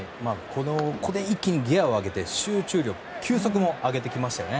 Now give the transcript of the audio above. ここで一気にギアを上げて集中力、球速も上げてきましたよね。